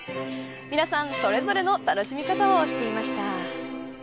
皆さんそれぞれの楽しみ方をしていました。